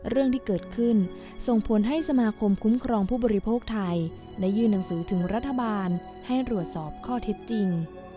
เรื่องที่เกิดขึ้นส่งผลให้สมาคมคุ้มครองผู้บริโภคไทยได้ยื่นหนังสือถึงรัฐบาลให้รวดสอบข้อเท็จจริง